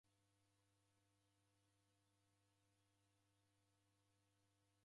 W'ichurilwagha mishara mwaka ghuchaa.